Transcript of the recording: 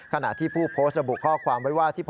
ขณะที่ผู้โพสต์ระบุข้อความไว้ว่า